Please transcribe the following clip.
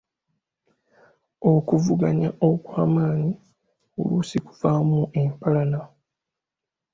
Okuvuganya okw’amaanyi oluusi kuvaamu empalana.